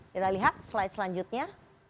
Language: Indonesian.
kita lihat slide selanjutnya